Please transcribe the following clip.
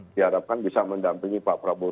diharapkan bisa mendampingi pak prabowo